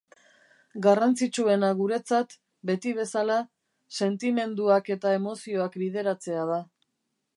Garrantzitsuena guretzat, beti bezala, sentimenduak eta emozioak bideratzea da.